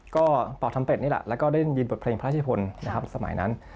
ก็เป่าทำเป็นนี่แหละแล้วก็ได้ยินบทเพลงพระราชนิพลสมัยนั้น